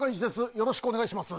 よろしくお願いします。